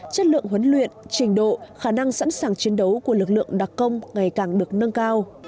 chất lượng huấn luyện trình độ khả năng sẵn sàng chiến đấu của lực lượng đặc công ngày càng được nâng cao